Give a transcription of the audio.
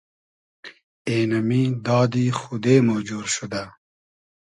اېنئمی دادی خودې مو جۉر شودۂ